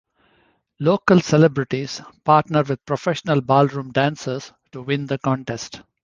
Local celebrities partner with professional ballroom dancers to win the contest.